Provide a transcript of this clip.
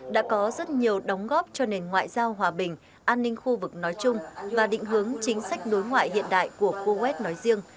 đã có rất nhiều đóng góp cho nền ngoại giao hòa bình an ninh khu vực nói chung và định hướng chính sách đối ngoại hiện đại của coes nói riêng